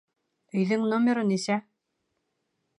Өйҙөң номеры нисә?